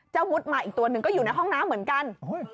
วุฒิมาอีกตัวหนึ่งก็อยู่ในห้องน้ำเหมือนกัน